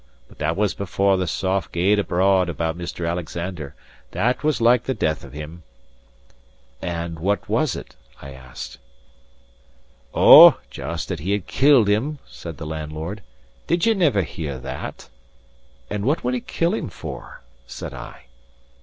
But that was before the sough gaed abroad about Mr. Alexander, that was like the death of him." * Rope. Report. "And what was it?" I asked. "Ou, just that he had killed him," said the landlord. "Did ye never hear that?" "And what would he kill him for?" said I.